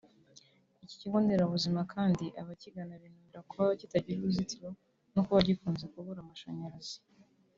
Iki kigo nderabuzima kandi abakigana binubira kuba kitagira uruzitiro no kuba gikunze kubura amashanyarazi